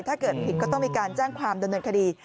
ถ้าเกิดผิดก็ต้องมีการแจ้งความดำเนินคดี